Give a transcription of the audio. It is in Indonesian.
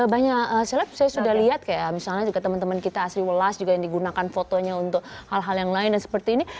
banyak seleb saya sudah lihat kayak misalnya juga teman teman kita asri welas juga yang digunakan fotonya untuk hal hal yang lain dan seperti ini